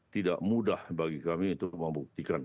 tidak mudah bagi kami untuk membuktikan